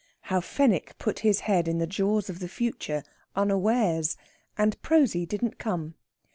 HOW FENWICK PUT HIS HEAD IN THE JAWS OF THE FUTURE UNAWARES, AND PROSY DIDN'T COME.